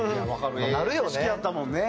「なるよね」